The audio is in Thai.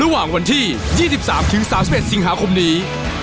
ระหว่างวันที่๒๓๓๑สิงหาคมนี้